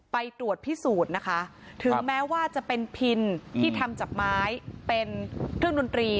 ไปตรวจพิสูจน์นะคะถึงแม้ว่าจะเป็นพินที่ทำจากไม้เป็นเครื่องดนตรี